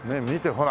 ほら。